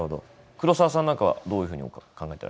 黒澤さんなんかはどういうふうに考えてらっしゃいます？